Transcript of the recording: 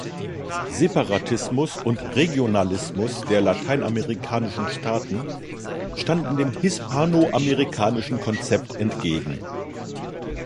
Separatismus und Regionalismus der lateinamerikanischen Staaten standen dem hispanoamerikanischen Konzept entgegen.